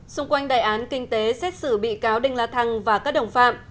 xung quanh đại án kinh tế xét xử bị cáo đinh la thăng và các đồng phạm